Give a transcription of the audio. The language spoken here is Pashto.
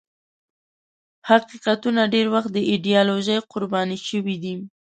حقیقتونه ډېر وخت د ایدیالوژۍ قرباني شوي دي.